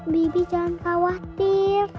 bibi jangan khawatir